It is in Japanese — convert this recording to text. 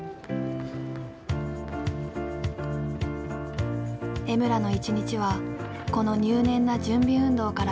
江村の一日はこの入念な準備運動から始まる。